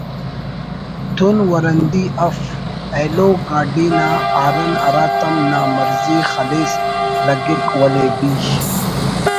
تون ورندی if aloe گاڈی نا ہارن ہرا تم نا مرضی خلیس لگک ولے بیش